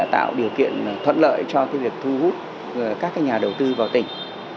tạo điều kiện thuận lợi cho việc thu hút các nhà đầu tư vào tỉnh